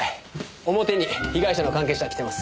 表に被害者の関係者が来てます。